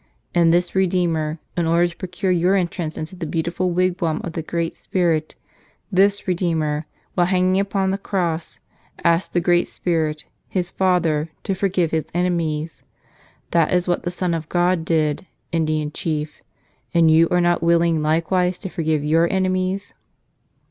And this Redeemer, in order to pro¬ cure your entrance into the beautiful wigwam of the Great Spirit — this Redeemer, while hanging upon the cross, asked the Great Spirit, His Father, to forgive His enemies. That is what the Son of God did, Indian chief, and you are not willing likewise to forgive your enemies?"